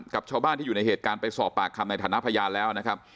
กับชาวบ้านที่อยู่ในเหตุการณ์ไปสอบปากคำในฐานะพยานแล้วนะครับ